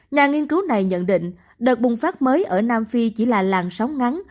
nhà nghiên cứu này nhận định đợt bùng phát mới ở nam phi chỉ là làng sóng ngắn